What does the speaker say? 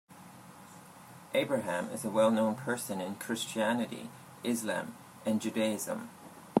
Abraham is a well known person in Christianity, Islam and Judaism.